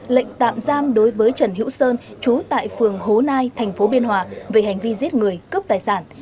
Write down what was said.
lệnh tạm giam đối với trần hữu sơn trú tại phường hố nai thành phố biên hòa về hành vi giết người cướp tài sản